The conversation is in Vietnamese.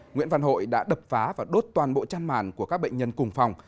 nguyễn văn hội đã đập phá và đốt toàn bộ chăn màn của các bệnh nhân cùng phòng